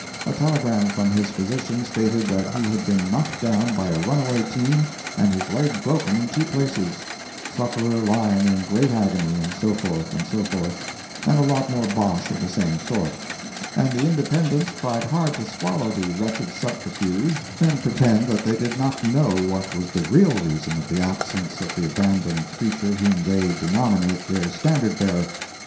A telegram from his physician stated that he had been knocked down by a runaway team and his leg broken in two places—sufferer lying in great agony, and so forth, and so forth, and a lot more bosh of the same sort. And the Independents tried hard to swallow the wretched subterfuge and pretend that they did not know what was the real reason of the absence of the abandoned creature whom they denominate their standard bearer.